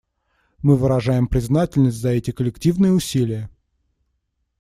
Мы выражаем признательность за эти коллективные усилия.